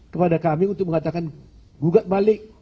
kepada kami untuk mengatakan gugat balik